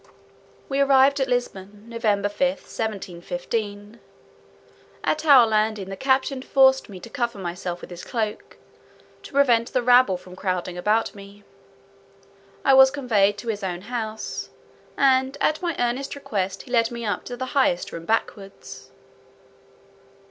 We arrived at Lisbon, Nov. 5, 1715. At our landing, the captain forced me to cover myself with his cloak, to prevent the rabble from crowding about me. I was conveyed to his own house; and at my earnest request he led me up to the highest room backwards.